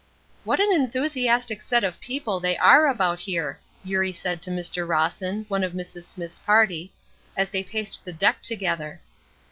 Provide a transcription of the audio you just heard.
"What an enthusiastic set of people they are about here," Eurie said to Mr. Rawson, one of Mrs. Smithe's party, as they paced the deck together.